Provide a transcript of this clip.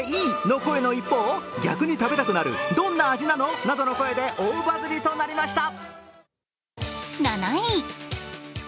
の声の一方、逆に食べたくなる、どんな味なの？などの声で大バズりとなりました。